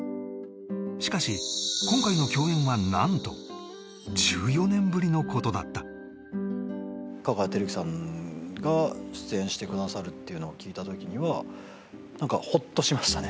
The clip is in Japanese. しかし今回の共演はなんと１４年ぶりのことだった香川照之さんが出演してくださるっていうのを聞いたときにはなんかホッとしましたね